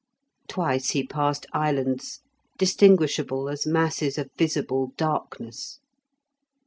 Twice he passed islands, distinguishable as masses of visible darkness.